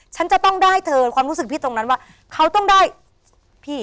ฉันจะต้องได้เธอความรู้สึกพี่ตรงนั้นว่าเขาต้องได้พี่